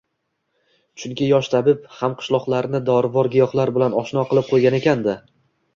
Chunki yosh tabib hamqishloqlarini dorivor giyohlar bilan oshno qilib qo‘ygan ekan-da